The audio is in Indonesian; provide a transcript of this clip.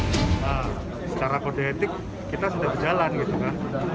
nah secara kode etik kita sudah berjalan gitu kan